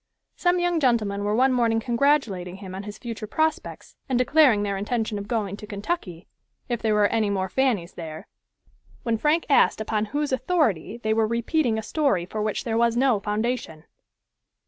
Some young gentlemen were one morning congratulating him on his future prospects, and declaring their intention of going to Kentucky, if there were any more Fannys there, when Frank asked upon whose authority they were repeating a story for which there was no foundation.